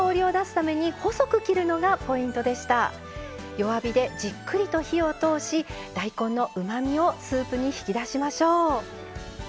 弱火でじっくりと火を通し大根のうまみをスープに引き出しましょう。